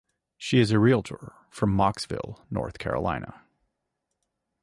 She is a realtor from Mocksville, North Carolina.